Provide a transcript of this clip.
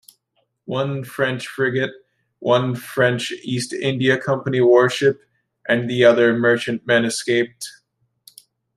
One French frigate, one French East India Company warship and the other merchantmen escaped.